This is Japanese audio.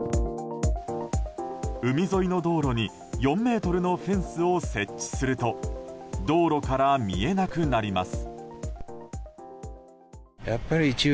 海沿いの道路に４ｍのフェンスを設置すると道路から見えなくなります。